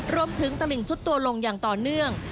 รวมถึงตระลิ่งทุบตัวลงอย่างต่อเนื่อง